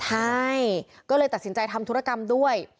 ใช่ก็เลยตัดสินใจทำธุรกรรมด้วย